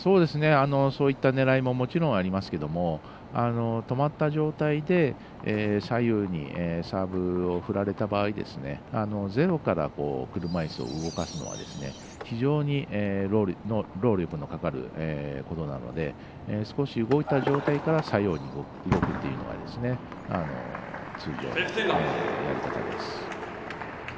そういった狙いももちろんありますけども止まった状態で左右にサーブを振られた場合ゼロから車いすを動かすのは非常に労力のかかるものなので少し動いた状態から左右に動くというのは通常のやり方です。